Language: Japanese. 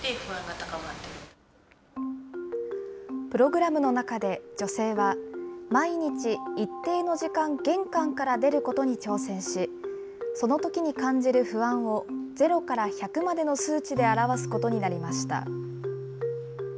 プログラムの中で女性は、毎日一定の時間、玄関から出ることに挑戦し、そのときに感じる不安を、ゼロから１００までの数値で表すことになりました。